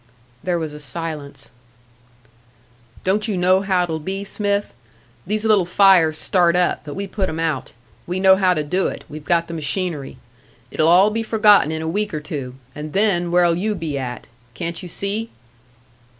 There was a silence. "Don't you know how it'll be, Smith? These little fires start up but we put 'em out. We know how to do it, we've got the machinery. It'll all be forgotten in a week or two, and then where'll you be at? Can't you see?"